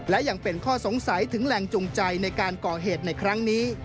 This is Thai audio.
และยังเป็นข้อสงสัยถึงแรงจูงใจในการก่อเหตุในครั้งนี้